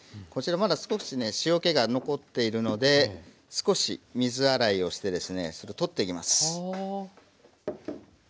こちらまだ少しね塩気が残っているので少し水洗いをしてですねそれを取っていきます。